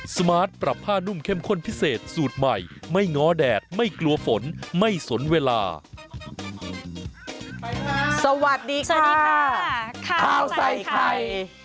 สวัสดีค่ะสวัสดีค่ะข้าวใส่ไข่